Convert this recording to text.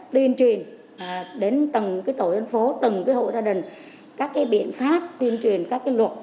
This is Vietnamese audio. tuyên truyền đến tầng cái tổ dân phố tầng cái hộ gia đình các cái biện pháp tuyên truyền các cái luật